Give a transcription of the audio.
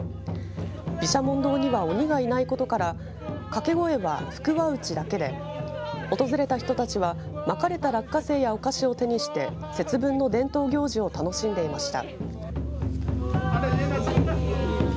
毘沙門堂には鬼がいないことから掛け声は福は内だけで訪れた人たちはまかれた落花生やお菓子を手にして節分の伝統行事を楽しんでいました。